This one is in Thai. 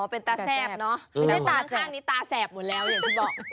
เป็นตาแซ่บเนอะไม่ใช่ตาข้างนี้ตาแสบหมดแล้วอย่างที่บอก